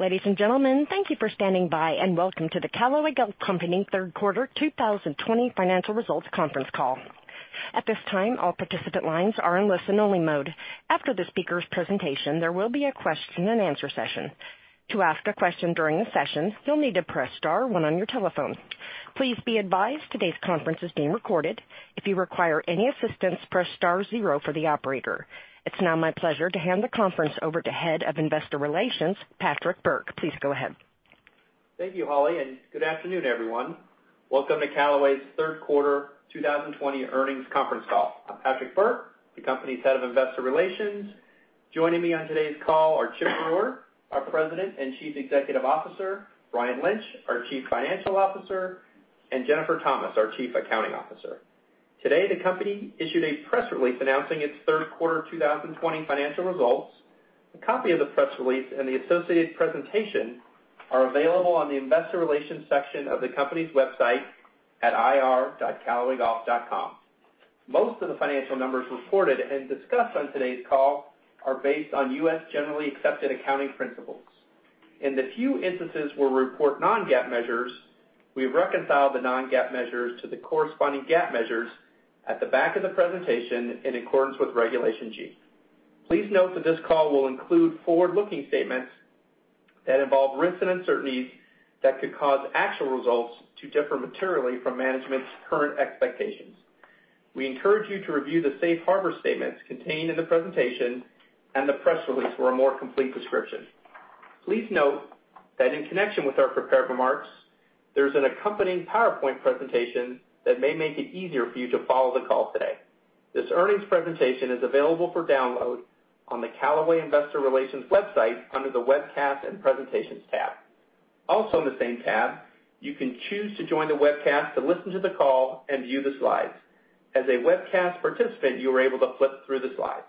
Ladies and gentlemen, thank you for standing by, and welcome to the Callaway Golf Company third quarter 2020 financial results conference call. At this time, all participant lines are in listen-only mode. After the speaker's presentation, there will be a question-and-answer session. To ask a question during the session, you'll need to press star one on your telephone. Please be advised today's conference is being recorded. If you require any assistance, press star zero for the operator. It's now my pleasure to hand the conference over to Head of Investor Relations, Patrick Burke. Please go ahead. Thank you, Holly. Good afternoon, everyone. Welcome to Callaway's third quarter 2020 earnings conference call. I'm Patrick Burke, the company's Head of Investor Relations. Joining me on today's call are Chip Brewer, our President and Chief Executive Officer, Brian Lynch, our Chief Financial Officer, and Jennifer Thomas, our Chief Accounting Officer. Today, the company issued a press release announcing its third quarter 2020 financial results. A copy of the press release and the associated presentation are available on the Investor Relations section of the company's website at ir.callawaygolf.com. Most of the financial numbers reported and discussed on today's call are based on U.S. generally accepted accounting principles. In the few instances where we report non-GAAP measures, we have reconciled the non-GAAP measures to the corresponding GAAP measures at the back of the presentation in accordance with Regulation G. Please note that this call will include forward-looking statements that involve risks and uncertainties that could cause actual results to differ materially from management's current expectations. We encourage you to review the safe harbor statements contained in the presentation and the press release for a more complete description. Please note that in connection with our prepared remarks, there's an accompanying PowerPoint presentation that may make it easier for you to follow the call today. This earnings presentation is available for download on the Callaway Investor Relations website under the Webcast and Presentations tab. Also, on the same tab, you can choose to join the webcast to listen to the call and view the slides. As a webcast participant, you are able to flip through the slides.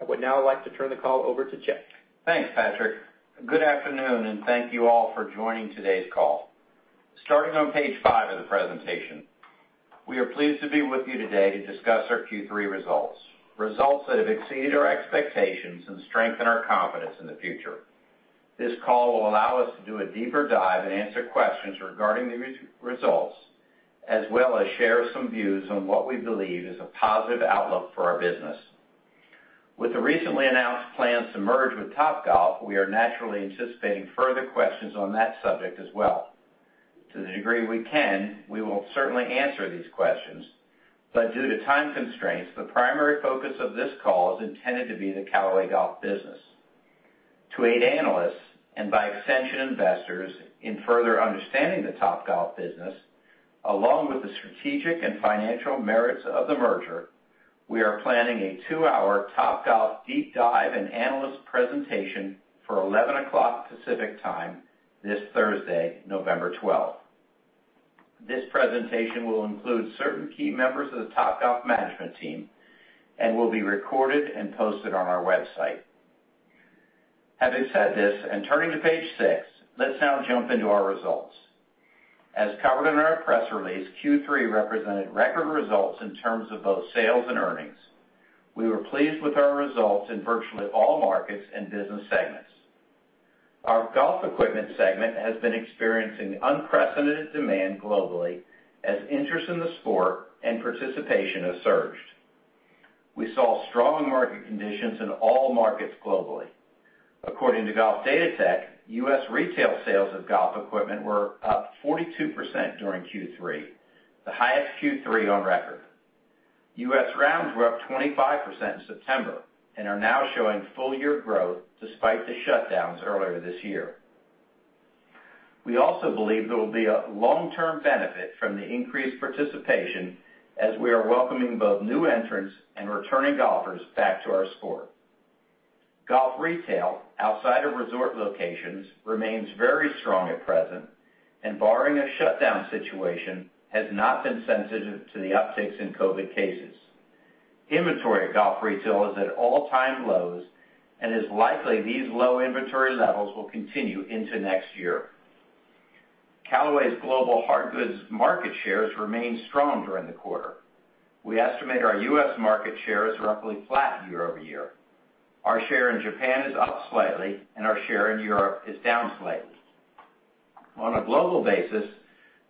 I would now like to turn the call over to Chip. Thanks, Patrick. Good afternoon, thank you all for joining today's call. Starting on page five of the presentation, we are pleased to be with you today to discuss our Q3 results that have exceeded our expectations and strengthen our confidence in the future. This call will allow us to do a deeper dive and answer questions regarding the results, as well as share some views on what we believe is a positive outlook for our business. With the recently announced plans to merge with Topgolf, we are naturally anticipating further questions on that subject as well. To the degree we can, we will certainly answer these questions, but due to time constraints, the primary focus of this call is intended to be the Callaway Golf business. To aid analysts and by extension investors in further understanding the Topgolf business, along with the strategic and financial merits of the merger, we are planning a two-hour Topgolf deep dive and analyst presentation for 11:00 AM Pacific Time this Thursday, November 12th. This presentation will include certain key members of the Topgolf management team and will be recorded and posted on our website. Having said this, and turning to page six, let's now jump into our results. As covered in our press release, Q3 represented record results in terms of both sales and earnings. We were pleased with our results in virtually all markets and business segments. Our Golf Equipment segment has been experiencing unprecedented demand globally as interest in the sport and participation has surged. We saw strong market conditions in all markets globally. According to Golf Datatech, U.S. retail sales of Golf Equipment were up 42% during Q3, the highest Q3 on record. U.S. rounds were up 25% in September and are now showing full-year growth despite the shutdowns earlier this year. We also believe there will be a long-term benefit from the increased participation as we are welcoming both new entrants and returning golfers back to our sport. Golf retail outside of resort locations remains very strong at present and barring a shutdown situation, has not been sensitive to the upticks in COVID cases. Inventory at golf retail is at all-time lows and it's likely these low inventory levels will continue into next year. Callaway's global hard goods market shares remained strong during the quarter. We estimate our U.S. market share is roughly flat year-over-year. Our share in Japan is up slightly, and our share in Europe is down slightly. On a global basis,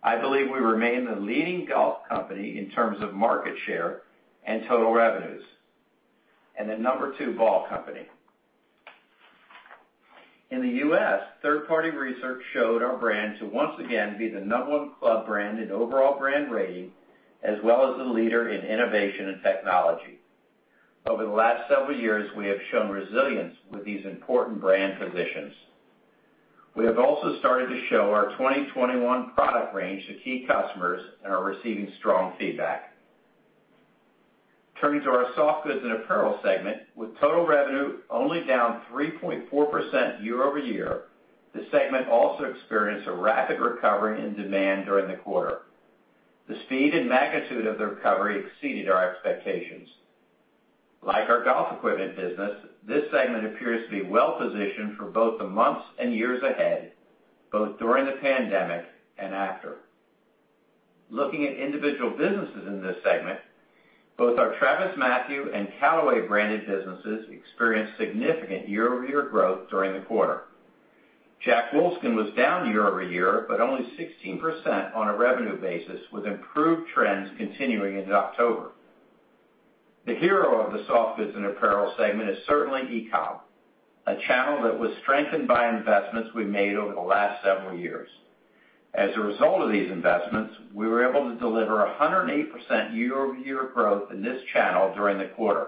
I believe we remain the leading golf company in terms of market share and total revenues, and the number two ball company. In the U.S., third-party research showed our brand to once again be the number one club brand in overall brand rating, as well as the leader in innovation and technology. Over the last several years, we have shown resilience with these important brand positions. We have also started to show our 2021 product range to key customers and are receiving strong feedback. Turning to our Soft Goods and Apparel segment with total revenue only down 3.4% year-over-year, this segment also experienced a rapid recovery in demand during the quarter. The speed and magnitude of the recovery exceeded our expectations. Like our Golf Equipment business, this segment appears to be well-positioned for both the months and years ahead, both during the pandemic and after. Looking at individual businesses in this segment, both our TravisMathew and Callaway-branded businesses experienced significant year-over-year growth during the quarter. Jack Wolfskin was down year-over-year, but only 16% on a revenue basis, with improved trends continuing into October. The hero of the Soft Goods and Apparel segment is certainly E-comm, a channel that was strengthened by investments we made over the last several years. As a result of these investments, we were able to deliver 108% year-over-year growth in this channel during the quarter.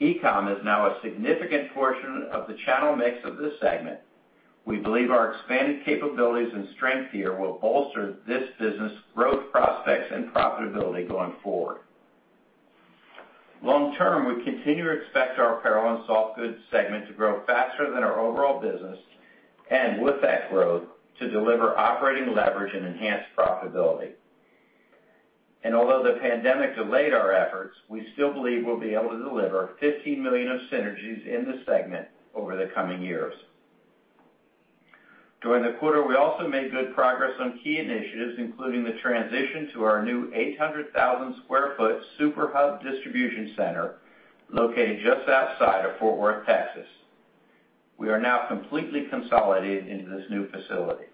E-comm is now a significant portion of the channel mix of this segment. We believe our expanded capabilities and strength here will bolster this business' growth prospects and profitability going forward. Long term, we continue to expect our Apparel and Soft Goods segment to grow faster than our overall business, and with that growth, to deliver operating leverage and enhanced profitability. Although the pandemic delayed our efforts, we still believe we'll be able to deliver 15 million of synergies in this segment over the coming years. During the quarter, we also made good progress on key initiatives, including the transition to our new 800,000 sq ft Super Hub Distribution center located just outside of Fort Worth, Texas. We are now completely consolidated into this new facility.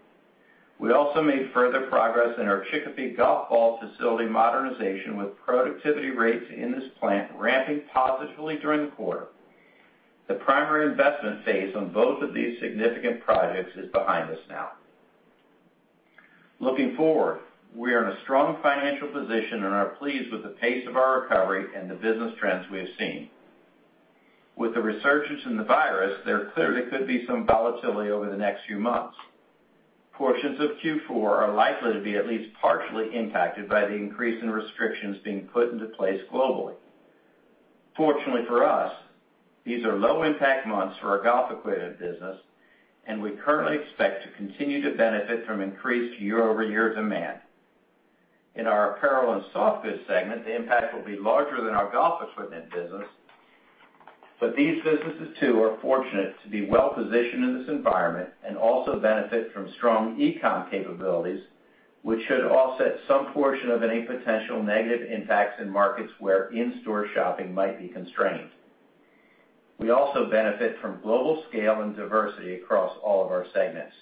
We also made further progress in our Chicopee Golf Ball facility modernization, with productivity rates in this plant ramping positively during the quarter. The primary investment phase on both of these significant projects is behind us now. Looking forward, we are in a strong financial position and are pleased with the pace of our recovery and the business trends we have seen. With the resurgence in the virus, there clearly could be some volatility over the next few months. Portions of Q4 are likely to be at least partially impacted by the increase in restrictions being put into place globally. Fortunately for us, these are low-impact months for our Golf Equipment business, and we currently expect to continue to benefit from increased year-over-year demand. In our Apparel and Soft Goods segment, the impact will be larger than our Golf Equipment business. These businesses, too, are fortunate to be well-positioned in this environment and also benefit from strong E-comm capabilities, which should offset some portion of any potential negative impacts in markets where in-store shopping might be constrained. We also benefit from global scale and diversity across all of our segments.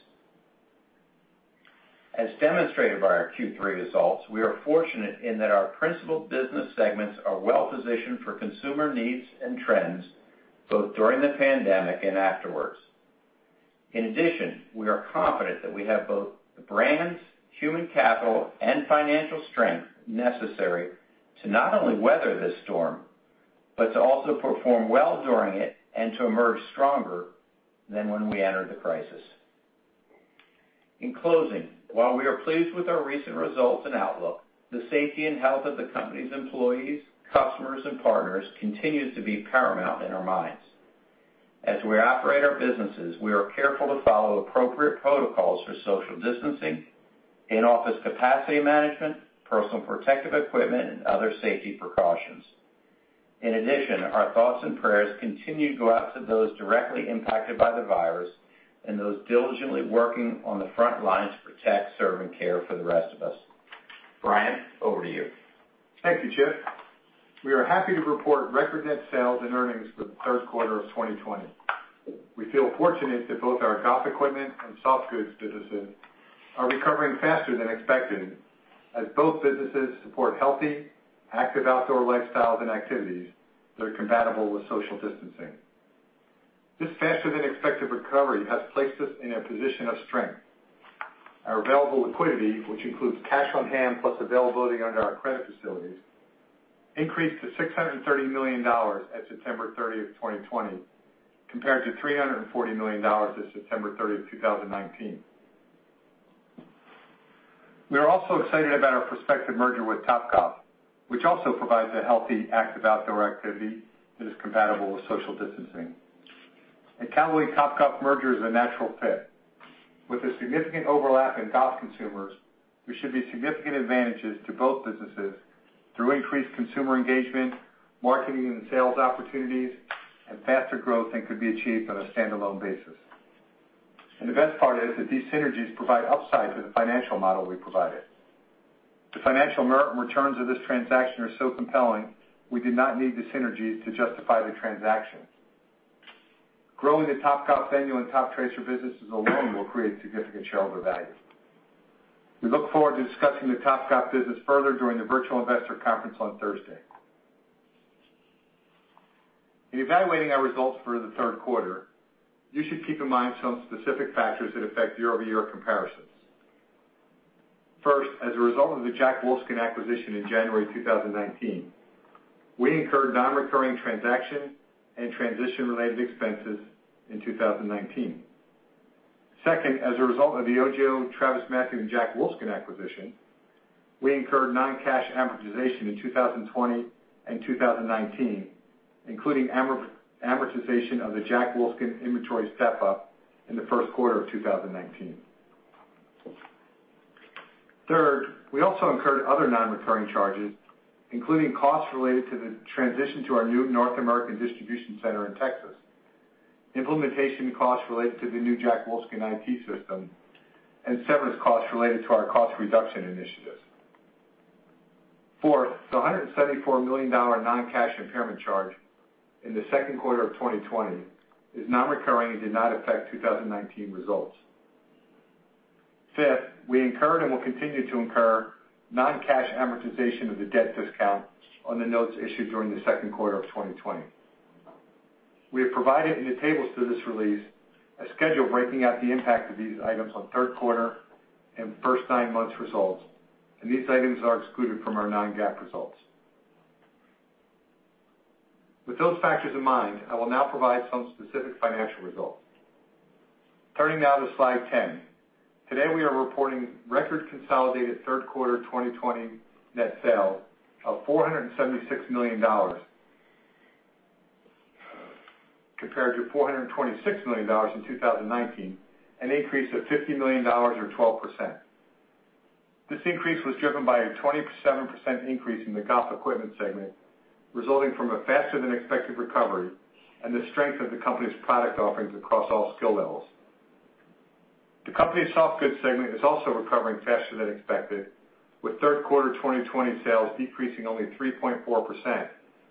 As demonstrated by our Q3 results, we are fortunate in that our principal business segments are well-positioned for consumer needs and trends, both during the pandemic and afterwards. In addition, we are confident that we have both the brands, human capital, and financial strength necessary to not only weather this storm, but to also perform well during it and to emerge stronger than when we entered the crisis. In closing, while we are pleased with our recent results and outlook, the safety and health of the company's employees, customers, and partners continues to be paramount in our minds. As we operate our businesses, we are careful to follow appropriate protocols for social distancing, in-office capacity management, personal protective equipment, and other safety precautions. In addition, our thoughts and prayers continue to go out to those directly impacted by the virus and those diligently working on the front lines to protect, serve, and care for the rest of us. Brian, over to you. Thank you, Chip. We are happy to report record net sales and earnings for the third quarter of 2020. We feel fortunate that both our Golf Equipment and Soft Goods businesses are recovering faster than expected, as both businesses support healthy, active outdoor lifestyles and activities that are compatible with social distancing. This faster than expected recovery has placed us in a position of strength. Our available liquidity, which includes cash on hand plus availability under our credit facilities, increased to $630 million at September 30th, 2020, compared to $340 million at September 30th, 2019. We are also excited about our prospective merger with Topgolf, which also provides a healthy, active outdoor activity that is compatible with social distancing. A Callaway Topgolf merger is a natural fit. With a significant overlap in golf consumers, there should be significant advantages to both businesses through increased consumer engagement, marketing and sales opportunities, and faster growth than could be achieved on a standalone basis. The best part is that these synergies provide upside to the financial model we provided. The financial merit and returns of this transaction are so compelling, we did not need the synergies to justify the transaction. Growing the Topgolf venue and Toptracer businesses alone will create significant shareholder value. We look forward to discussing the Topgolf business further during the virtual investor conference on Thursday. In evaluating our results for the third quarter, you should keep in mind some specific factors that affect year-over-year comparisons. First, as a result of the Jack Wolfskin acquisition in January 2019, we incurred non-recurring transaction and transition-related expenses in 2019. Second, as a result of the OGIO, TravisMathew, and Jack Wolfskin acquisition, we incurred non-cash amortization in 2020 and 2019, including amortization of the Jack Wolfskin inventory step-up in the first quarter of 2019. Third, we also incurred other non-recurring charges, including costs related to the transition to our new North American Distribution Center in Texas. Implementation costs related to the new Jack Wolfskin IT system and severance costs related to our cost reduction initiatives. Fourth, the $174 million non-cash impairment charge in the second quarter of 2020 is non-recurring and did not affect 2019 results. Fifth, we incurred and will continue to incur non-cash amortization of the debt discount on the notes issued during the second quarter of 2020. We have provided in the tables to this release a schedule breaking out the impact of these items on third quarter and first nine months results, and these items are excluded from our non-GAAP results. With those factors in mind, I will now provide some specific financial results. Turning now to slide 10. Today, we are reporting record consolidated third quarter 2020 net sales of $476 million, compared to $426 million in 2019, an increase of $50 million or 12%. This increase was driven by a 27% increase in the Golf Equipment segment, resulting from a faster than expected recovery and the strength of the company's product offerings across all skill levels. The company's Soft Goods segment is also recovering faster than expected, with third quarter 2020 sales decreasing only 3.4%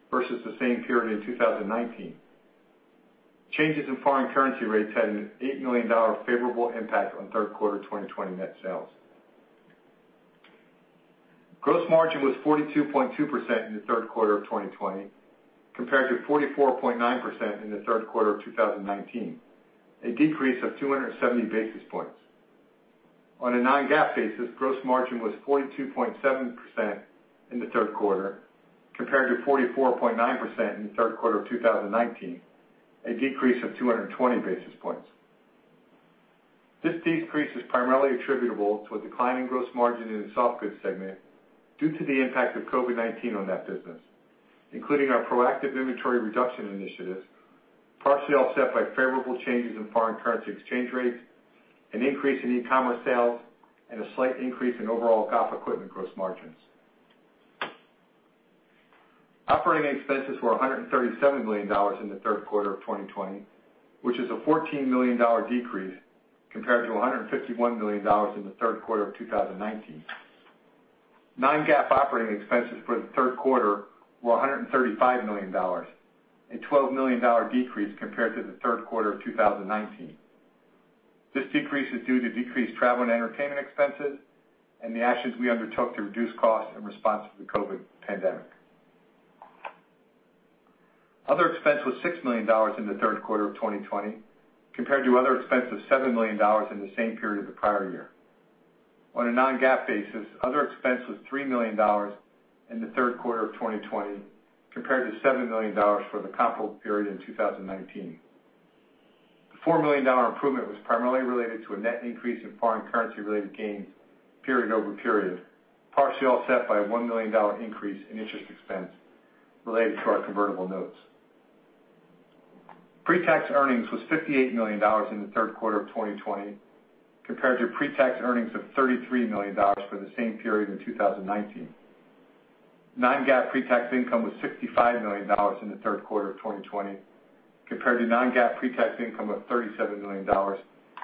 versus the same period in 2019. Changes in foreign currency rates had an $8 million favorable impact on third quarter 2020 net sales. Gross margin was 42.2% in the third quarter of 2020, compared to 44.9% in the third quarter of 2019, a decrease of 270 basis points. On a non-GAAP basis, gross margin was 42.7% in the third quarter, compared to 44.9% in the third quarter of 2019, a decrease of 220 basis points. This decrease is primarily attributable to a decline in gross margin in the Soft Goods segment due to the impact of COVID-19 on that business, including our proactive inventory reduction initiatives, partially offset by favorable changes in foreign currency exchange rates, an increase in E-commerce sales, and a slight increase in overall Golf Equipment gross margins. Operating expenses were $137 million in the third quarter of 2020, which is a $14 million decrease compared to $151 million in the third quarter of 2019. Non-GAAP operating expenses for the third quarter were $135 million, a $12 million decrease compared to the third quarter of 2019. This decrease is due to decreased travel and entertainment expenses and the actions we undertook to reduce costs in response to the COVID pandemic. Other expense was $6 million in the third quarter of 2020 compared to other expense of $7 million in the same period of the prior year. On a non-GAAP basis, other expense was $3 million in the third quarter of 2020 compared to $7 million for the comparable period in 2019. The $4 million improvement was primarily related to a net increase in foreign currency-related gains period-over-period, partially offset by a $1 million increase in interest expense related to our convertible notes. Pre-tax earnings was $58 million in the third quarter of 2020 compared to pre-tax earnings of $33 million for the same period in 2019. Non-GAAP pre-tax income was $65 million in the third quarter of 2020 compared to non-GAAP pre-tax income of $37 million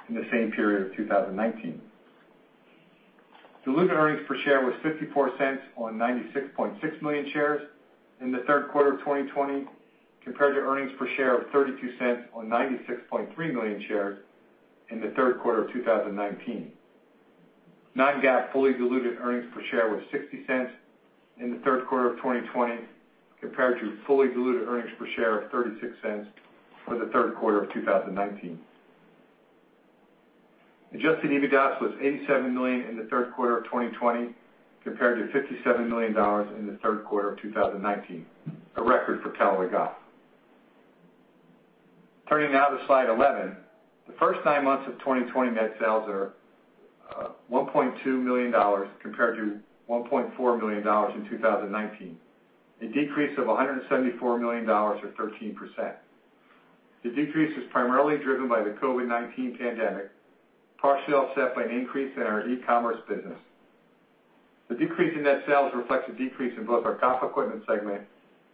in the same period of 2019. Diluted earnings per share was $0.54 on 96.6 million shares in the third quarter of 2020 compared to earnings per share of $0.32 on 96.3 million shares in the third quarter of 2019. Non-GAAP fully diluted earnings per share was $0.60 in the third quarter of 2020 compared to fully diluted earnings per share of $0.36 for the third quarter of 2019. Adjusted EBITDA was $87 million in the third quarter of 2020 compared to $57 million in the third quarter of 2019, a record for Callaway Golf. Turning now to slide 11. The first nine months of 2020 net sales are $1.2 million compared to $1.4 million in 2019, a decrease of $174 million or 13%. The decrease was primarily driven by the COVID-19 pandemic, partially offset by an increase in our E-commerce business. The decrease in net sales reflects a decrease in both our Golf Equipment segment,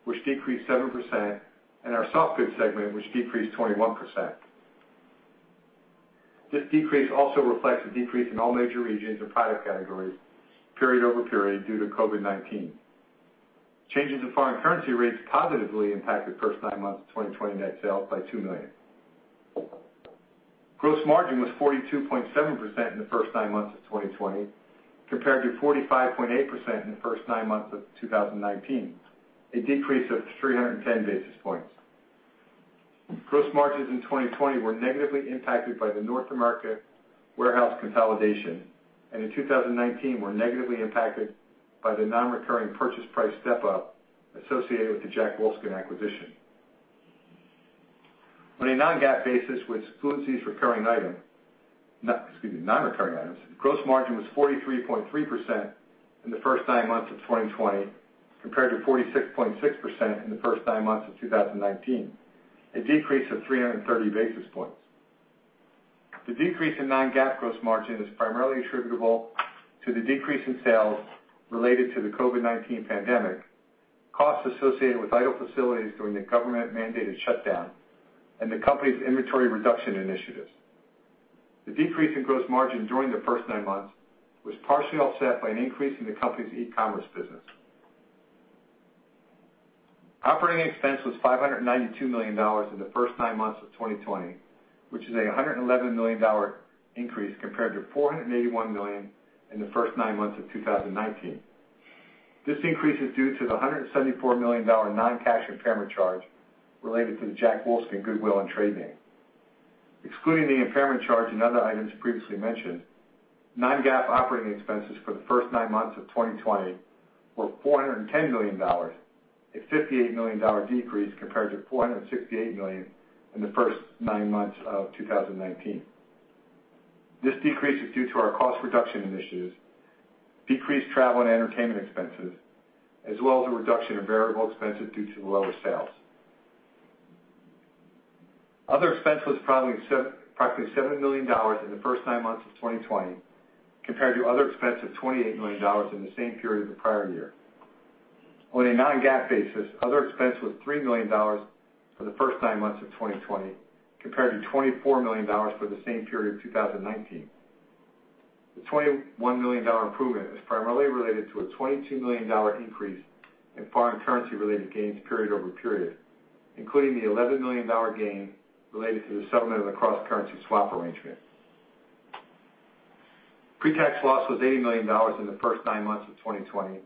which decreased 7%, and our Soft Goods segment, which decreased 21%. This decrease also reflects a decrease in all major regions and product categories period over period due to COVID-19. Changes in foreign currency rates positively impacted first nine months of 2020 net sales by $2 million. Gross margin was 42.7% in the first nine months of 2020 compared to 45.8% in the first nine months of 2019, a decrease of 310 basis points. Gross margins in 2020 were negatively impacted by the North America warehouse consolidation, and in 2019 were negatively impacted by the non-recurring purchase price step-up associated with the Jack Wolfskin acquisition. On a non-GAAP basis, which excludes these non-recurring items, gross margin was 43.3% in the first nine months of 2020 compared to 46.6% in the first nine months of 2019, a decrease of 330 basis points. The decrease in non-GAAP gross margin is primarily attributable to the decrease in sales related to the COVID-19 pandemic, costs associated with idle facilities during the government-mandated shutdown, and the company's inventory reduction initiatives. The decrease in gross margin during the first nine months was partially offset by an increase in the company's E-commerce business. Operating expense was $592 million in the first nine months of 2020, which is a $111 million increase compared to $481 million in the first nine months of 2019. This increase is due to the $174 million non-cash impairment charge related to the Jack Wolfskin goodwill and trade name. Excluding the impairment charge and other items previously mentioned, non-GAAP operating expenses for the first nine months of 2020 were $410 million, a $58 million decrease compared to $468 million in the first nine months of 2019. This decrease is due to our cost reduction initiatives, decreased travel and entertainment expenses, as well as a reduction in variable expenses due to the lower sales. Other expense was approximately $7 million in the first nine months of 2020, compared to other expense of $28 million in the same period the prior year. On a non-GAAP basis, other expense was $3 million for the first nine months of 2020, compared to $24 million for the same period in 2019. The $21 million improvement is primarily related to a $22 million increase in foreign currency-related gains period-over-period, including the $11 million gain related to the settlement of the cross-currency swap arrangement. Pre-tax loss was $80 million in the first nine months of 2020,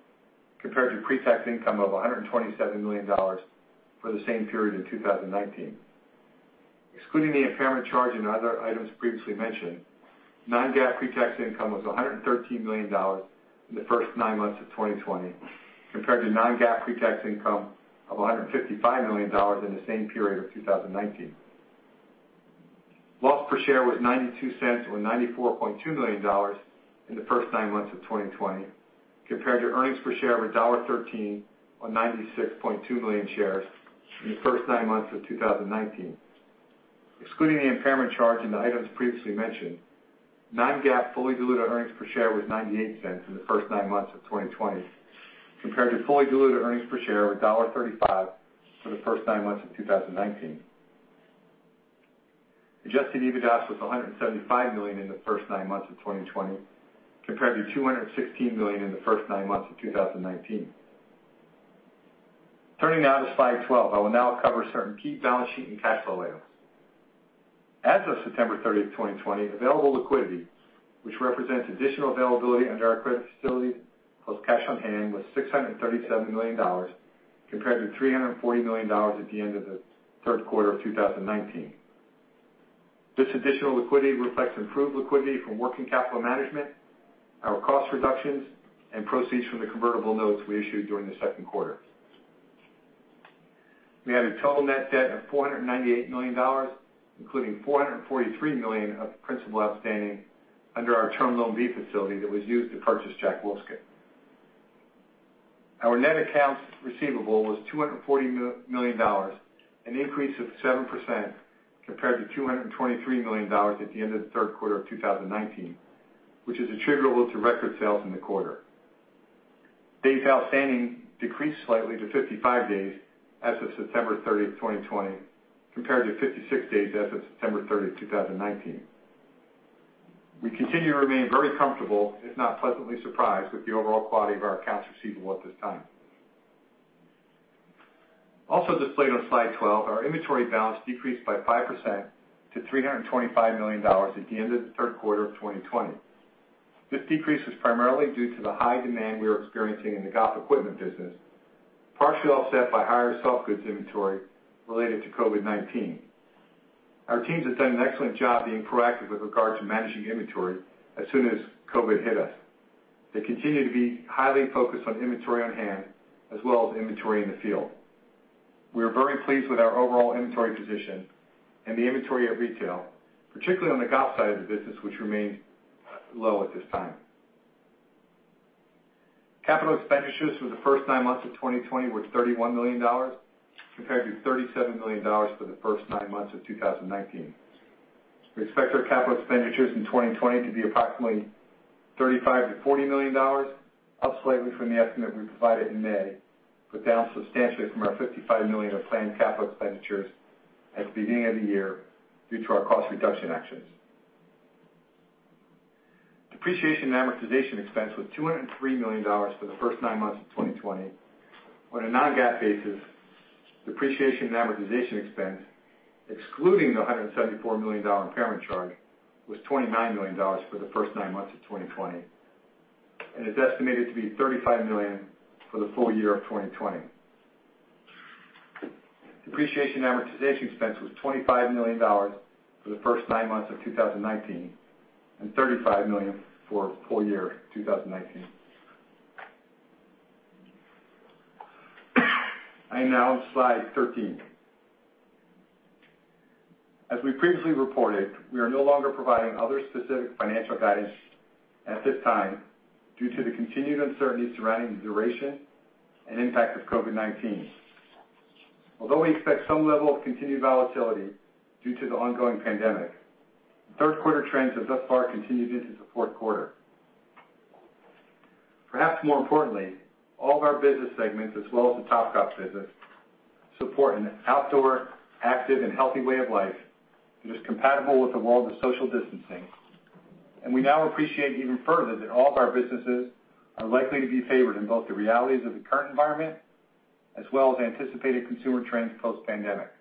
compared to pre-tax income of $127 million for the same period in 2019. Excluding the impairment charge and other items previously mentioned, non-GAAP pre-tax income was $113 million in the first nine months of 2020, compared to non-GAAP pre-tax income of $155 million in the same period of 2019. Loss per share was $0.92, or $94.2 million in the first nine months of 2020, compared to earnings per share of $1.13 on 96.2 million shares in the first nine months of 2019. Excluding the impairment charge and the items previously mentioned, non-GAAP fully diluted earnings per share was $0.98 in the first nine months of 2020, compared to fully diluted earnings per share of $1.35 for the first nine months of 2019. Adjusted EBITDA was $175 million in the first nine months of 2020, compared to $216 million in the first nine months of 2019. Turning now to slide 12, I will now cover certain key balance sheet and cash flow items. As of September 30, 2020, available liquidity, which represents additional availability under our credit facility, plus cash on hand, was $637 million, compared to $340 million at the end of the third quarter of 2019. This additional liquidity reflects improved liquidity from working capital management, our cost reductions, and proceeds from the convertible notes we issued during the second quarter. We had a total net debt of $498 million, including $443 million of principal outstanding under our Term Loan B facility that was used to purchase Jack Wolfskin. Our net accounts receivable was $240 million, an increase of 7% compared to $223 million at the end of the third quarter of 2019, which is attributable to record sales in the quarter. Days outstanding decreased slightly to 55 days as of September 30, 2020, compared to 56 days as of September 30, 2019. We continue to remain very comfortable, if not pleasantly surprised, with the overall quality of our accounts receivable at this time. Also displayed on slide 12, our inventory balance decreased by 5% to $325 million at the end of the third quarter of 2020. This decrease was primarily due to the high demand we are experiencing in the Golf Equipment business, partially offset by higher sell goods inventory related to COVID-19. Our teams have done an excellent job being proactive with regard to managing inventory as soon as COVID hit us. They continue to be highly focused on inventory on hand as well as inventory in the field. We are very pleased with our overall inventory position and the inventory at retail, particularly on the golf side of the business, which remains low at this time. Capital expenditures for the first nine months of 2020 were $31 million compared to $37 million for the first nine months of 2019. We expect our capital expenditures in 2020 to be approximately $35 million-$40 million, up slightly from the estimate we provided in May, but down substantially from our $55 million of planned capital expenditures at the beginning of the year due to our cost reduction actions. Depreciation and amortization expense was $203 million for the first nine months of 2020. On a non-GAAP basis, depreciation and amortization expense, excluding the $174 million impairment charge, was $29 million for the first nine months of 2020 and is estimated to be $35 million for the full year of 2020. Depreciation and amortization expense was $25 million for the first nine months of 2019 and $35 million for full year 2019. I am now on slide 13. As we previously reported, we are no longer providing other specific financial guidance at this time due to the continued uncertainty surrounding the duration and impact of COVID-19. Although we expect some level of continued volatility due to the ongoing pandemic, third quarter trends have thus far continued into the fourth quarter. Perhaps more importantly, all of our business segments, as well as the Topgolf business, support an outdoor, active, and healthy way of life that is compatible with the world of social distancing. We now appreciate even further that all of our businesses are likely to be favored in both the realities of the current environment as well as anticipated consumer trends post-pandemic.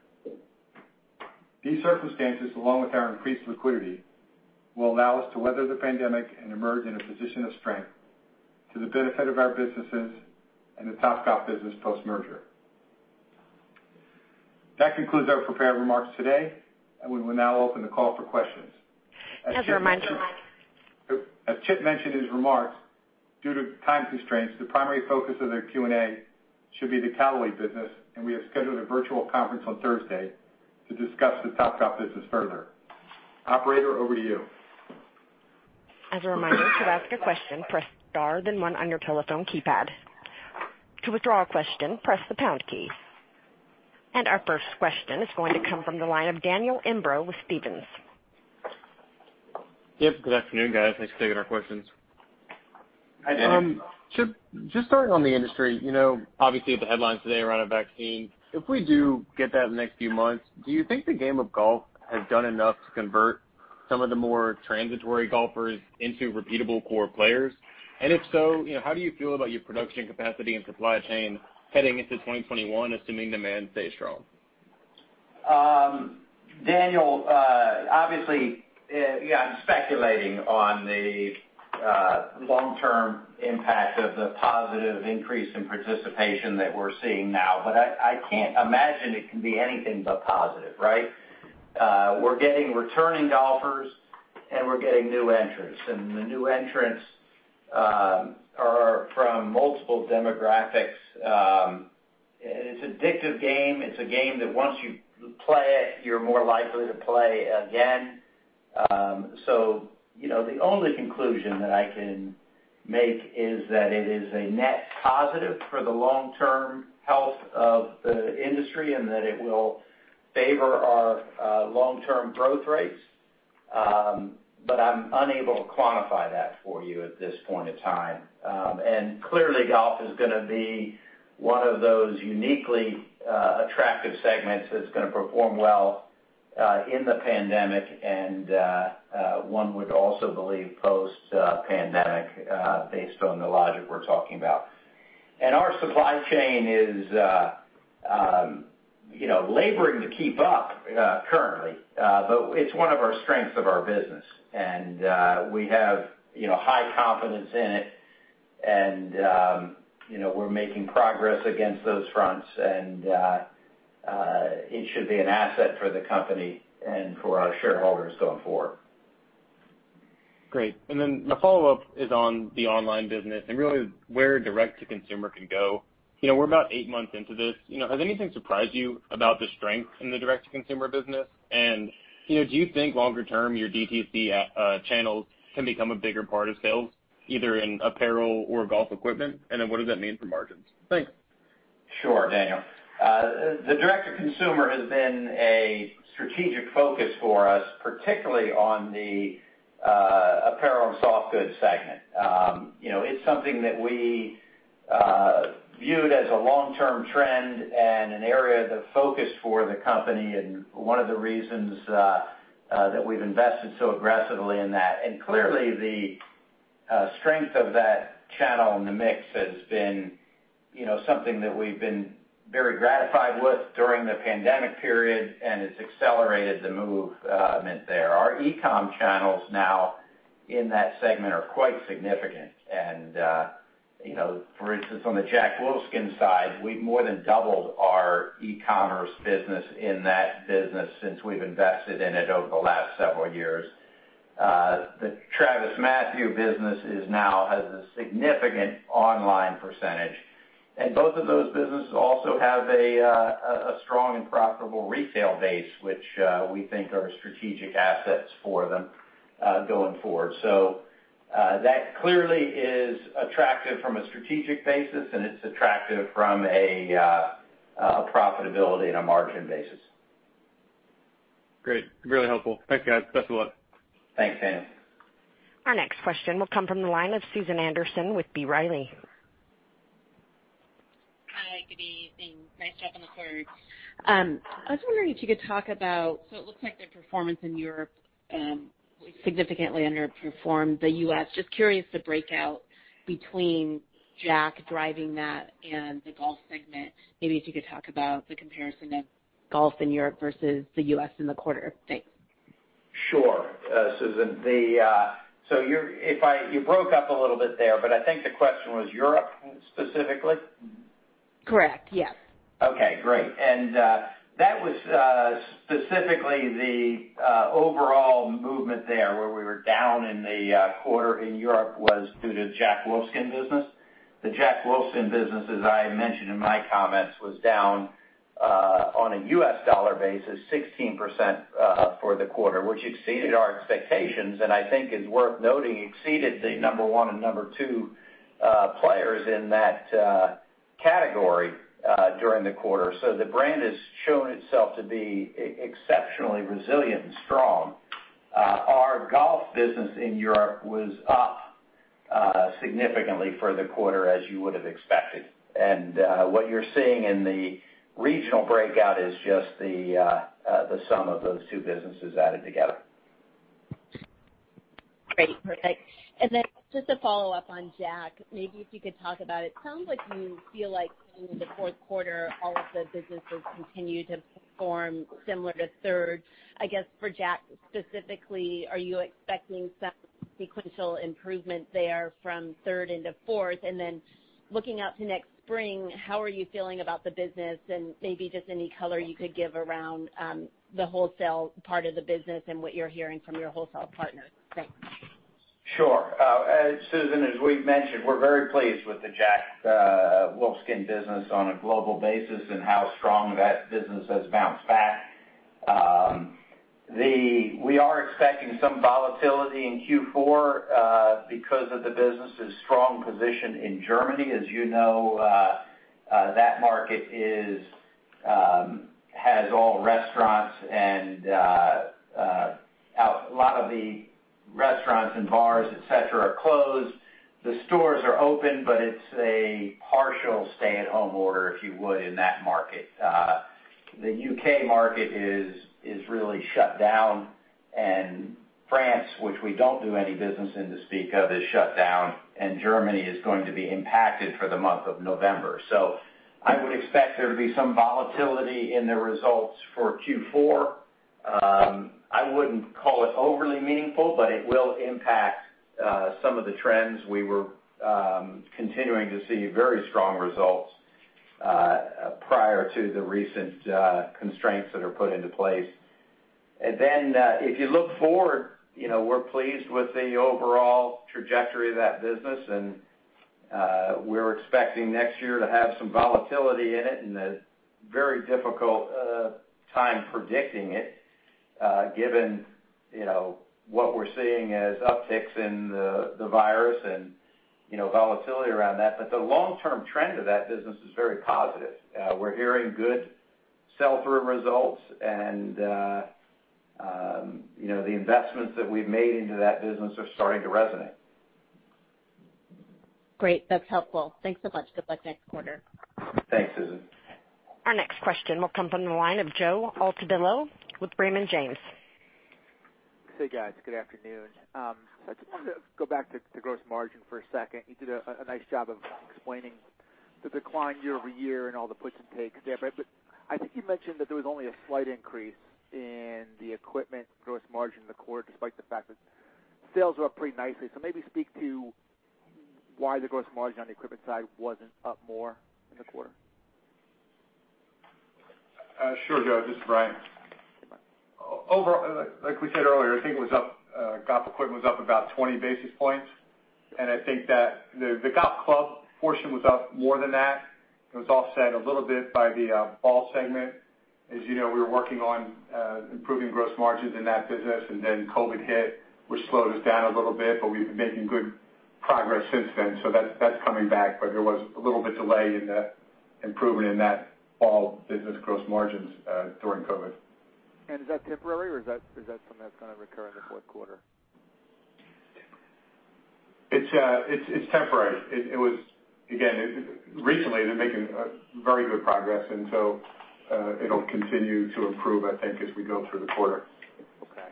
These circumstances, along with our increased liquidity, will allow us to weather the pandemic and emerge in a position of strength to the benefit of our businesses and the Topgolf business post-merger. That concludes our prepared remarks today, and we will now open the call for questions. As Chip mentioned in his remarks, due to time constraints, the primary focus of the Q&A should be the Callaway business, we have scheduled a virtual conference on Thursday to discuss the Topgolf business further. Operator, over to you. As a reminder, to ask a question, press star, then one on your telephone keypad. To withdraw a question, press the pound key. Our first question is going to come from the line of Daniel Imbro with Stephens. Yep. Good afternoon, guys. Thanks for taking our questions. Hi, Daniel. Chip, just starting on the industry, obviously with the headlines today around a vaccine, if we do get that in the next few months, do you think the game of golf has done enough to convert some of the more transitory golfers into repeatable core players? If so, how do you feel about your production capacity and supply chain heading into 2021, assuming demand stays strong? Daniel, obviously, yeah, I'm speculating on the long-term impact of the positive increase in participation that we're seeing now, but I can't imagine it can be anything but positive, right? We're getting returning golfers and we're getting new entrants, and the new entrants are from multiple demographics. It's addictive game. It's a game that once you play it, you're more likely to play again. The only conclusion that I can make is that it is a net positive for the long-term health of the industry, and that it will favor our long-term growth rates, but I'm unable to quantify that for you at this point in time. Clearly golf is going to be one of those uniquely attractive segments that's going to perform well in the pandemic, and one would also believe post-pandemic, based on the logic we're talking about. Our supply chain is laboring to keep up currently, but it's one of our strengths of our business. We have high confidence in it and we're making progress against those fronts, and it should be an asset for the company and for our shareholders going forward. Great. My follow-up is on the online business and really where direct-to-consumer can go. We're about eight months into this. Has anything surprised you about the strength in the direct-to-consumer business? Do you think longer term your [DTP] channels can become a bigger part of sales, either in Apparel or Golf Equipment? What does that mean for margins? Thanks. Sure, Daniel. The direct to consumer has been a strategic focus for us, particularly on the Apparel and Soft Goods segment. It's something that we viewed as a long-term trend and an area of focus for the company, and one of the reasons that we've invested so aggressively in that. Clearly the strength of that channel in the mix has been something that we've been very gratified with during the pandemic period, and it's accelerated the movement there. Our E-comm channels now in that segment are quite significant and for instance, on the Jack Wolfskin side, we've more than doubled our E-commerce business in that business since we've invested in it over the last several years. The TravisMathew business now has a significant online percentage, and both of those businesses also have a strong and profitable retail base, which we think are strategic assets for them going forward. That clearly is attractive from a strategic basis and it's attractive from a profitability and a margin basis. Great. Really helpful. Thanks, guys. Best of luck. Thanks, Daniel. Our next question will come from the line of Susan Anderson with B. Riley. Hi, good evening. Nice job on the quarter. I was wondering if you could talk about, it looks like the performance in Europe significantly underperformed the U.S. Just curious, the breakout between Jack driving that and the golf segment. Maybe if you could talk about the comparison of golf in Europe versus the U.S. in the quarter. Thanks. Sure. Susan. You broke up a little bit there, but I think the question was Europe specifically. Correct. Yes. Okay, great. That was specifically the overall movement there where we were down in the quarter in Europe was due to Jack Wolfskin business. The Jack Wolfskin business, as I had mentioned in my comments, was down on a U.S. dollar basis, 16% for the quarter, which exceeded our expectations, and I think is worth noting, exceeded the number one and number two players in that category during the quarter. The brand has shown itself to be exceptionally resilient and strong. Our golf business in Europe was up significantly for the quarter, as you would've expected. What you're seeing in the regional breakout is just the sum of those two businesses added together. Great. Perfect. Then just a follow-up on Jack, maybe if you could talk about it. It sounds like you feel like in the fourth quarter, all of the businesses continued to perform similar to third. I guess for Jack specifically, are you expecting some sequential improvement there from third into fourth? Then looking out to next spring, how are you feeling about the business? Maybe just any color you could give around the wholesale part of the business and what you're hearing from your wholesale partners. Thanks. Sure. Susan, as we've mentioned, we're very pleased with the Jack Wolfskin business on a global basis and how strong that business has bounced back. We are expecting some volatility in Q4 because of the business's strong position in Germany. As you know, that market has all restaurants, and a lot of the restaurants and bars, et cetera, are closed. The stores are open, but it's a partial stay-at-home order, if you would, in that market. The U.K. market is really shut down, and France, which we don't do any business in to speak of, is shut down, and Germany is going to be impacted for the month of November. I would expect there to be some volatility in the results for Q4. I wouldn't call it overly meaningful, but it will impact some of the trends. We were continuing to see very strong results prior to the recent constraints that are put into place. If you look forward, we're pleased with the overall trajectory of that business, and we're expecting next year to have some volatility in it, and a very difficult time predicting it given what we're seeing as upticks in the COVID-19 and volatility around that. The long-term trend of that business is very positive. We're hearing good sell-through results and the investments that we've made into that business are starting to resonate. Great. That's helpful. Thanks so much. Good luck next quarter. Thanks, Susan. Our next question will come from the line of Joe Altobello with Raymond James. Hey, guys. Good afternoon. I just wanted to go back to gross margin for a second. You did a nice job of explaining the decline year-over-year and all the puts and takes there. I think you mentioned that there was only a slight increase in the equipment gross margin in the quarter, despite the fact that sales were up pretty nicely. Maybe speak to why the gross margin on the equipment side wasn't up more in the quarter. Sure, Joe. This is Brian. Like we said earlier, I think Golf Equipment was up about 20 basis points, and I think that the golf club portion was up more than that. It was offset a little bit by the ball segment. As you know, we were working on improving gross margins in that business, and then COVID hit, which slowed us down a little bit, but we've been making good progress since then. That's coming back, but there was a little bit of delay in the improvement in that ball business gross margins during COVID. Is that temporary, or is that something that's going to recur in the fourth quarter? It's temporary. Again, recently they're making very good progress. It'll continue to improve, I think, as we go through the quarter. Okay.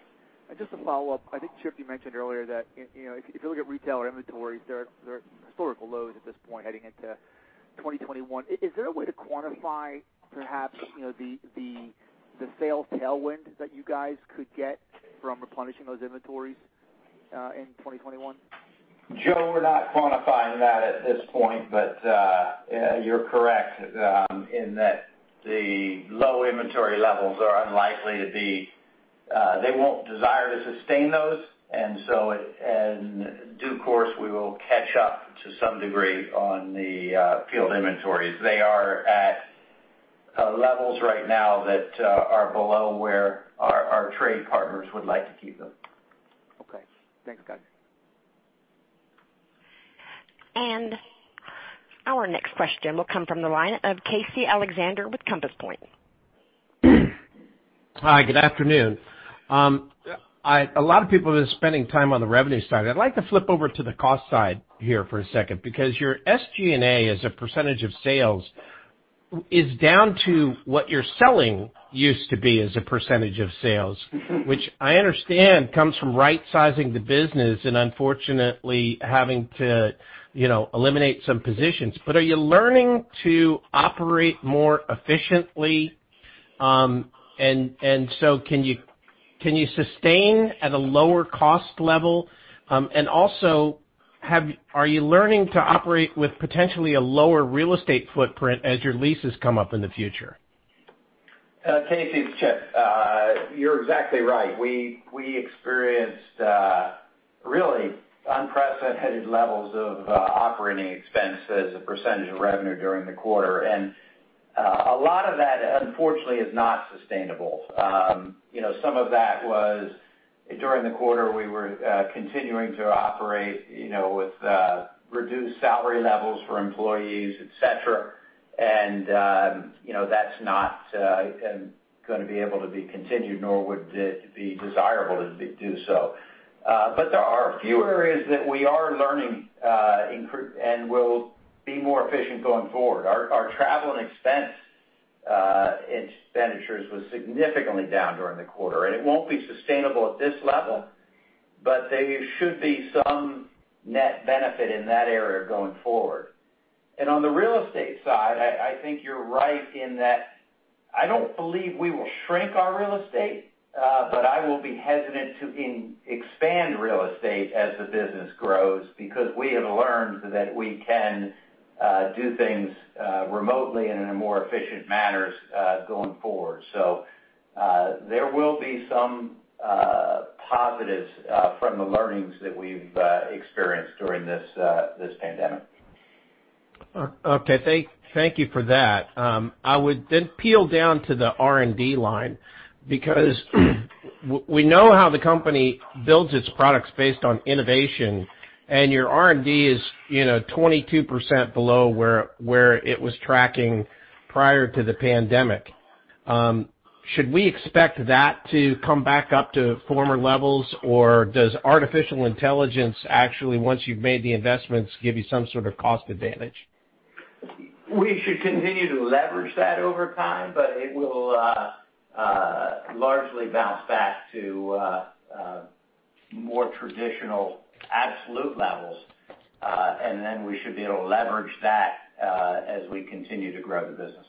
Just to follow up, I think, Chip, you mentioned earlier that if you look at retail or inventories, they're at historical lows at this point heading into 2021. Is there a way to quantify perhaps the sales tailwind that you guys could get from replenishing those inventories in 2021? Joe, we're not quantifying that at this point. You're correct in that the low inventory levels. They won't desire to sustain those. In due course, we will catch up to some degree on the field inventories. They are at levels right now that are below where our trade partners would like to keep them. Okay. Thanks, guys. Our next question will come from the line of Casey Alexander with Compass Point. Hi, good afternoon. A lot of people have been spending time on the revenue side. I'd like to flip over to the cost side here for a second because your SG&A as a percentage of sales is down to what your selling used to be as a percentage of sales. I understand comes from right-sizing the business and unfortunately having to eliminate some positions. Are you learning to operate more efficiently? Can you sustain at a lower cost level? Also, are you learning to operate with potentially a lower real estate footprint as your leases come up in the future? Casey, it's Chip. You're exactly right. We experienced really unprecedented levels of operating expense as a percentage of revenue during the quarter. A lot of that, unfortunately, is not sustainable. Some of that was during the quarter, we were continuing to operate with reduced salary levels for employees, et cetera. That's not going to be able to be continued, nor would it be desirable to do so. There are a few areas that we are learning and will be more efficient going forward. Our travel and expense expenditures was significantly down during the quarter, and it won't be sustainable at this level, but there should be some net benefit in that area going forward. On the real estate side, I think you're right in that I don't believe we will shrink our real estate, I will be hesitant to expand real estate as the business grows because we have learned that we can do things remotely and in more efficient manners going forward. There will be some positives from the learnings that we've experienced during this pandemic. Okay. Thank you for that. I would peel down to the R&D line, because we know how the company builds its products based on innovation, and your R&D is 22% below where it was tracking prior to the pandemic. Should we expect that to come back up to former levels, or does artificial intelligence actually, once you've made the investments, give you some sort of cost advantage? We should continue to leverage that over time, but it will largely bounce back to more traditional absolute levels. Then we should be able to leverage that as we continue to grow the business.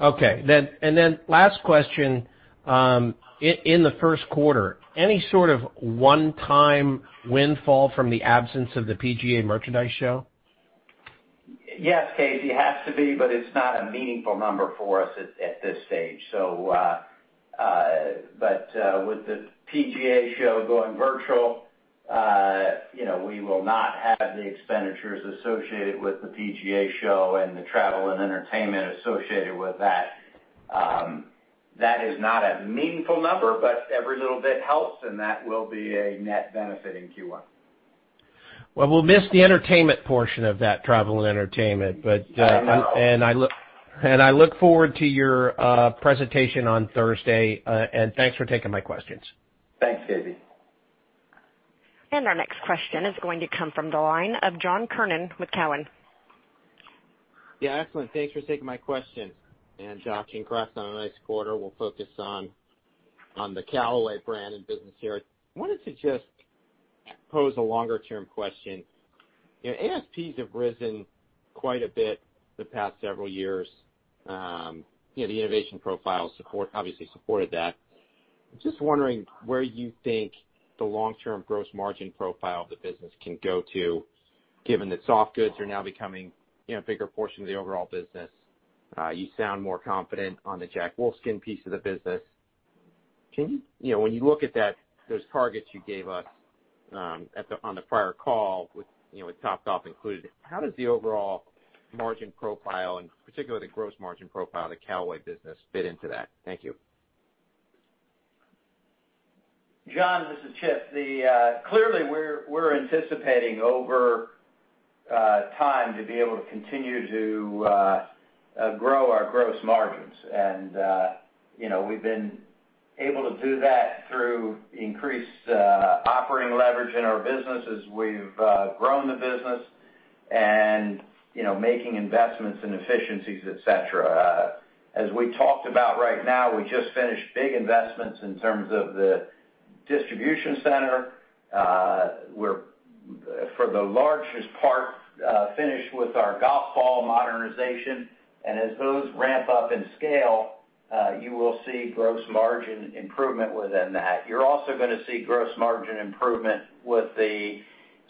Okay. Last question. In the first quarter, any sort of one-time windfall from the absence of the PGA Merchandise Show? Yes, Casey, it has to be, but it's not a meaningful number for us at this stage. With the PGA Show going virtual, we will not have the expenditures associated with the PGA Show and the travel and entertainment associated with that. That is not a meaningful number, but every little bit helps, and that will be a net benefit in Q1. Well, we'll miss the entertainment portion of that travel and entertainment. I look forward to your presentation on Thursday. Thanks for taking my questions. Thanks, Casey. Our next question is going to come from the line of John Kernan with Cowen. Yeah, excellent. Thanks for taking my question. And congrats on a nice quarter, we'll focus on the Callaway brand and business here. I wanted to just pose a longer-term question. ASPs have risen quite a bit the past several years. The innovation profile obviously supported that. I'm just wondering where you think the long-term gross margin profile of the business can go to, given that soft goods are now becoming a bigger portion of the overall business. You sound more confident on the Jack Wolfskin piece of the business. When you look at those targets you gave us on the prior call with Topgolf included, how does the overall margin profile, and particularly the gross margin profile of the Callaway business fit into that? Thank you. John, this is Chip. Clearly, we're anticipating over time to be able to continue to grow our gross margins. We've been able to do that through increased operating leverage in our business as we've grown the business and making investments in efficiencies, et cetera. As we talked about right now, we just finished big investments in terms of the distribution center. We're, for the largest part, finished with our golf ball modernization. As those ramp up in scale, you will see gross margin improvement within that. You're also going to see gross margin improvement with the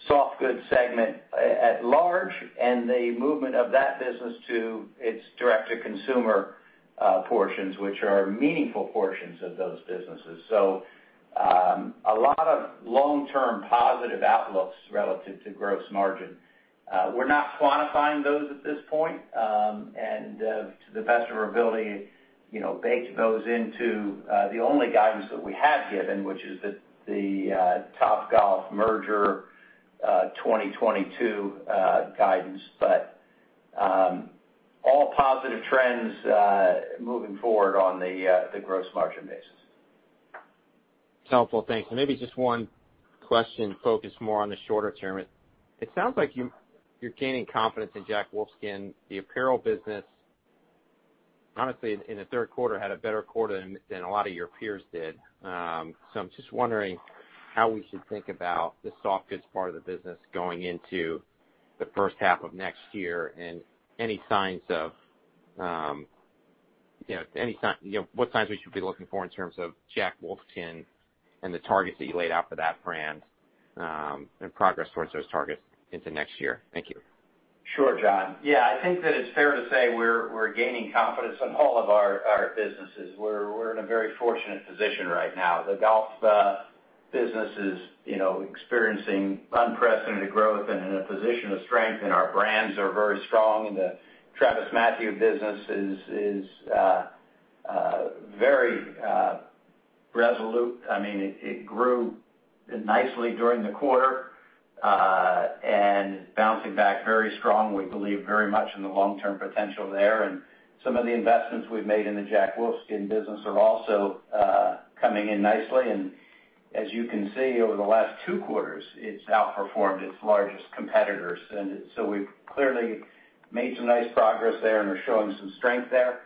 Soft Goods segment at large and the movement of that business to its direct-to-consumer portions, which are meaningful portions of those businesses. A lot of long-term positive outlooks relative to gross margin. We're not quantifying those at this point, and to the best of our ability, baked those into the only guidance that we have given, which is the Topgolf merger 2022 guidance. All positive trends moving forward on the gross margin basis. Helpful. Thanks. Maybe just one question focused more on the shorter term. It sounds like you're gaining confidence in Jack Wolfskin. The Apparel business, honestly, in the third quarter, had a better quarter than a lot of your peers did. I'm just wondering how we should think about the Soft Goods part of the business going into the first half of next year and what signs we should be looking for in terms of Jack Wolfskin and the targets that you laid out for that brand, and progress towards those targets into next year. Thank you. Sure, John. Yeah, I think that it's fair to say we're gaining confidence in all of our businesses. We're in a very fortunate position right now. The golf business is experiencing unprecedented growth and in a position of strength, our brands are very strong. The TravisMathew business is very resolute. It grew nicely during the quarter, bouncing back very strong. We believe very much in the long-term potential there. Some of the investments we've made in the Jack Wolfskin business are also coming in nicely. As you can see, over the last two quarters, it's outperformed its largest competitors. So, we've clearly made some nice progress there and are showing some strength there.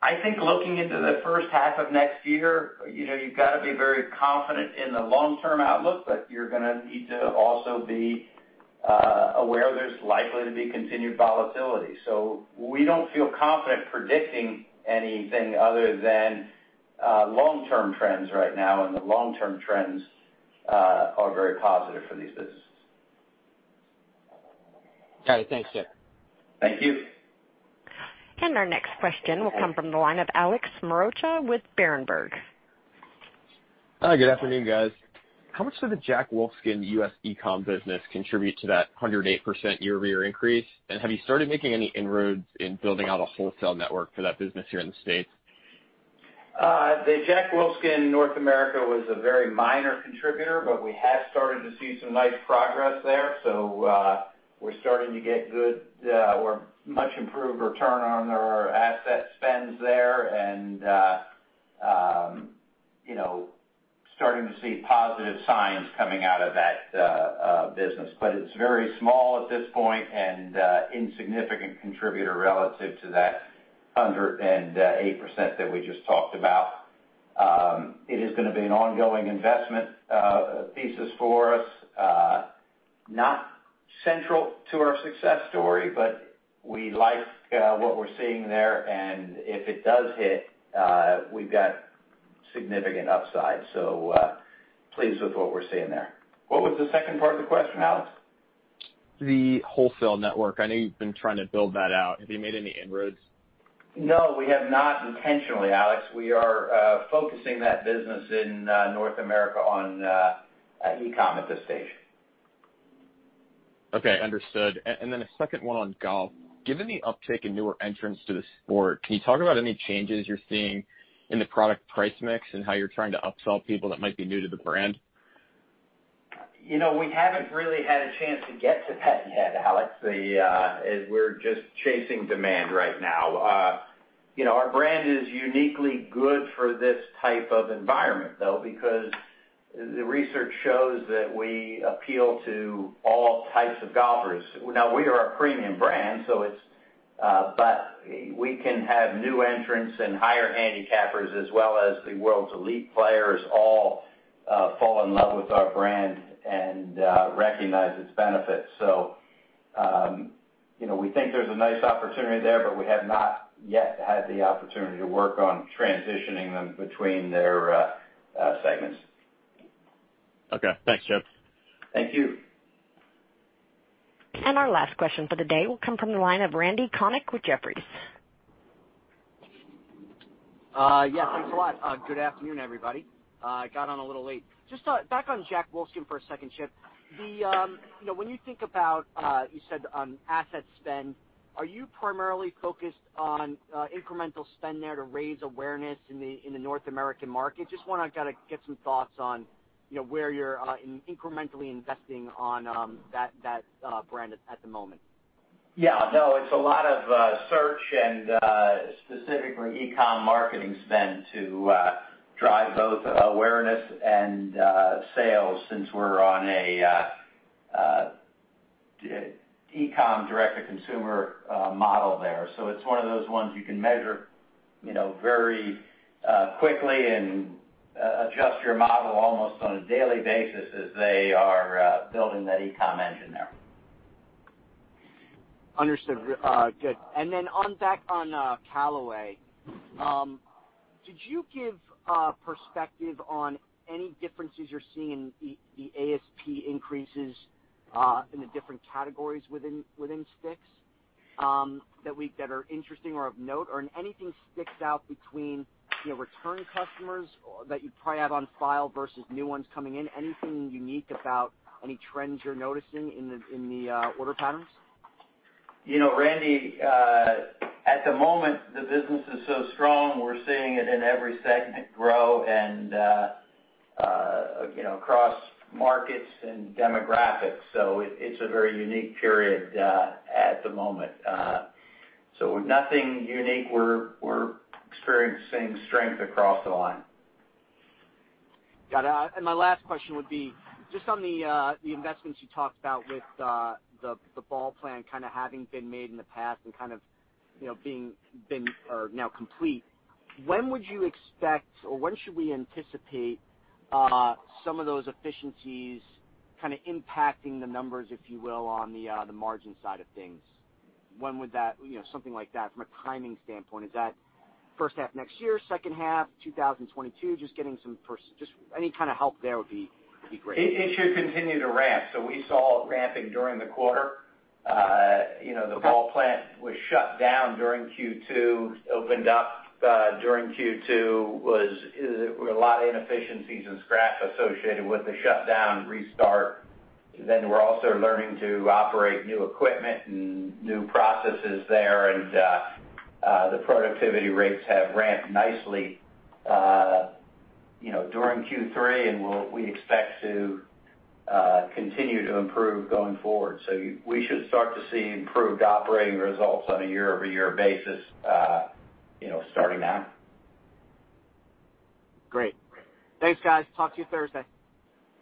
I think looking into the first half of next year, you've got to be very confident in the long-term outlook, but you're going to need to also be aware there's likely to be continued volatility. We don't feel confident predicting anything other than long-term trends right now, and the long-term trends are very positive for these businesses. Got it. Thanks, Chip. Thank you. Our next question will come from the line of Alex Maroccia with Berenberg. Hi, good afternoon, guys. How much did the Jack Wolfskin U.S. E-comm business contribute to that 108% year-over-year increase? Have you started making any inroads in building out a wholesale network for that business here in the U.S.? The Jack Wolfskin North America was a very minor contributor, but we have started to see some nice progress there. We're starting to get good or much improved return on our asset spends there and starting to see positive signs coming out of that business. It's very small at this point and insignificant contributor relative to that 108% that we just talked about. It is going to be an ongoing investment thesis for us. Not central to our success story, but we like what we're seeing there. If it does hit, we've got significant upside. Pleased with what we're seeing there. What was the second part of the question, Alex? The wholesale network. I know you've been trying to build that out. Have you made any inroads? No, we have not intentionally, Alex. We are focusing that business in North America on E-comm at this stage. Okay, understood. A second one on golf. Given the uptick in newer entrants to the sport, can you talk about any changes you're seeing in the product price mix and how you're trying to upsell people that might be new to the brand? We haven't really had a chance to get to that yet, Alex. We're just chasing demand right now. Our brand is uniquely good for this type of environment, though, because the research shows that we appeal to all types of golfers. We are a premium brand, but we can have new entrants and higher handicappers as well as the world's elite players all fall in love with our brand and recognize its benefits. We think there's a nice opportunity there, but we have not yet had the opportunity to work on transitioning them between their segments. Okay. Thanks, Chip. Thank you. Our last question for the day will come from the line of Randal Konik with Jefferies. Yeah, thanks a lot. Good afternoon, everybody. I got on a little late. Just back on Jack Wolfskin for a second, Chip. When you think about, you said on asset spend, are you primarily focused on incremental spend there to raise awareness in the North American market? Just want to get some thoughts on where you're incrementally investing on that brand at the moment. Yeah. No, it's a lot of search and specifically e-com marketing spend to drive both awareness and sales since we're on a E-comm direct-to-consumer model there. It's one of those ones you can measure very quickly and adjust your model almost on a daily basis as they are building that E-comm engine there. Understood. Good. Back on Callaway, did you give perspective on any differences you're seeing in the ASP increases in the different categories within sticks that are interesting or of note? Anything sticks out between return customers that you probably have on file versus new ones coming in? Anything unique about any trends you're noticing in the order patterns? Randal, at the moment, the business is so strong, we're seeing it in every segment grow and across markets and demographics. It's a very unique period at the moment. Nothing unique. We're experiencing strength across the line. Got it. My last question would be just on the investments you talked about with the ball plant kind of having been made in the past and kind of being now complete. When would you expect or when should we anticipate some of those efficiencies kind of impacting the numbers, if you will, on the margin side of things? When would something like that from a timing standpoint, is that first half next year, second half, 2022? Just any kind of help there would be great. It should continue to ramp. We saw ramping during the quarter. The ball plant was shut down during Q2, opened up during Q2. There were a lot of inefficiencies and scrap associated with the shutdown, restart. We're also learning to operate new equipment and new processes there. The productivity rates have ramped nicely during Q3, and we expect to continue to improve going forward. We should start to see improved operating results on a year-over-year basis starting now. Great. Thanks, guys. Talk to you Thursday.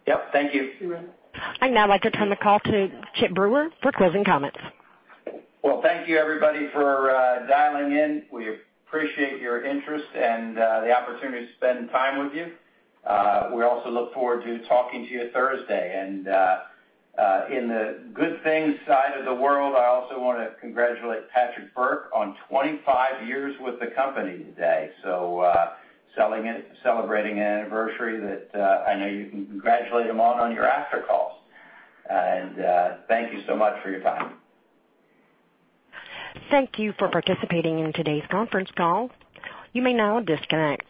Yep, thank you. I'd now like to turn the call to Chip Brewer for closing comments. Well, thank you everybody for dialing in. We appreciate your interest and the opportunity to spend time with you. We also look forward to talking to you Thursday. In the good things side of the world, I also want to congratulate Patrick Burke on 25 years with the company today. Celebrating an anniversary that I know you can congratulate him on your after calls. Thank you so much for your time. Thank you for participating in today's conference call. You may now disconnect.